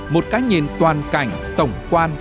một cái nhìn toàn cảnh tổng quan